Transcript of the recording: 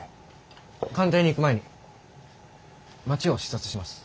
官邸に行く前に街を視察します。